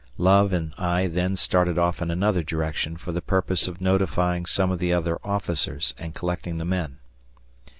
Love and I then started off in another direction for the purpose of notifying some of the other officers and collecting the men.